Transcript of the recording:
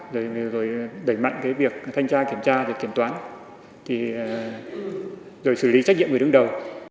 rồi đẩy mạnh việc thanh tra kiểm tra kiểm toán rồi xử lý trách nhiệm người đứng đầu